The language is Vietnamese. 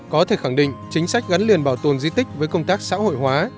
có thể khẳng định chính sách gắn liền bảo tồn di tích với công tác xã hội hóa